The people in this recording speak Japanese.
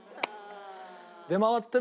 出回ってる？